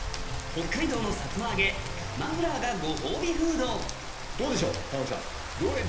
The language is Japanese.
北海道のさつま揚げマフラーがご褒美フードどうでしょう玉木さん。